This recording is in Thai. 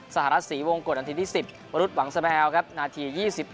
สหรัฐศรีวงกฎนาทีที่๑๐วรุษหวังสมแอลครับนาที๒๑